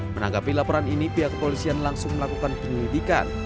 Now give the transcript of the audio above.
menanggapi laporan ini pihak kepolisian langsung melakukan penyelidikan